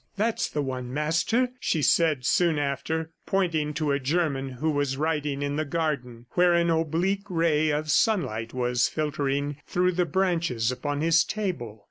"That's the one, Master," she said soon after, pointing to a German who was writing in the garden, where an oblique ray of sunlight was filtering through the branches upon his table.